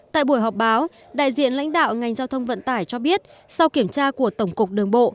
tại buổi họp báo đại diện lãnh đạo ngành giao thông vận tải cho biết sau kiểm tra của tổng cục đường bộ